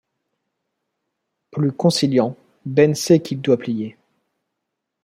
Plus conciliant, Ben sait qu'il doit plier.